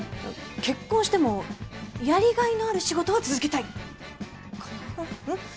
結婚してもやりがいのある仕事を続けたい。かな？